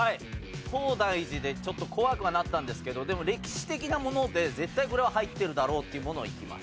東大寺でちょっと怖くはなったんですけどでも歴史的なもので絶対これは入ってるだろうっていうものをいきます。